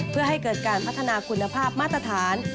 เพื่อให้เกิดการพัฒนาคุณภาพมาตรฐาน